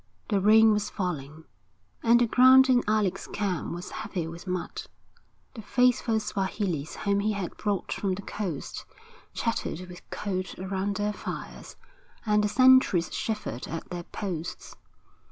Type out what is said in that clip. The rain was falling, and the ground in Alec's camp was heavy with mud. The faithful Swahilis whom he had brought from the coast, chattered with cold around their fires; and the sentries shivered at their posts.